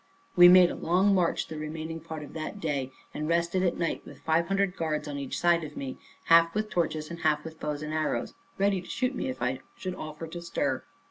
We made a long march the remaining part of that day, and rested at night with five hundred guards on each side of me, half with torches, and half with bows and arrows, ready to shoot me, if I should offer to stir.